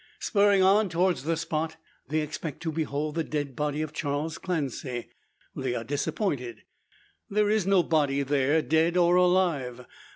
Spurring on towards the spot, they expect to behold the dead body of Charles Clancy. They are disappointed. There is no body there dead or alive.